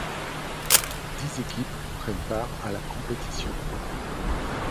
Dix équipes prennent part à la compétition.